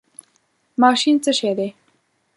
ماشین څه شی دی؟